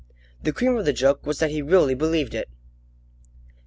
The cream of the joke was that he really believed it!